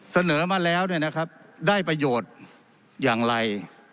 เสนอแก้ไขมานี้